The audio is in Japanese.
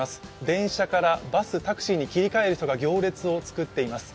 電車からバス、タクシーに切り替える人たちが行列を作っています。